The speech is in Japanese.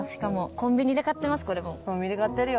コンビニで買ってるよ。